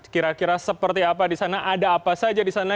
kira kira seperti apa di sana ada apa saja di sana